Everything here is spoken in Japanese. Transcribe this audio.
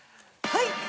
はい！